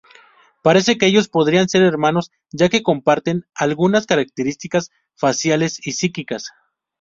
Parece que ellos podrían ser hermanos ya que comparten algunas características faciales y psíquicas.